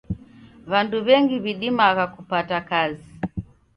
W'andu w'engi w'idimagha kupata kazi.